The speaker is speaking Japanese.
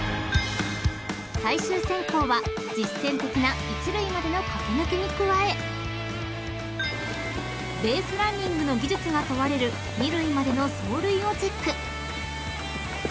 ［最終選考は実戦的な一塁までの駆け抜けに加えベースランニングの技術が問われる二塁までの走塁をチェック］